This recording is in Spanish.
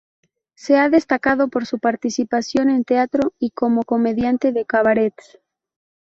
Se ha destacado por su participación en teatro y como comediante de cabarets.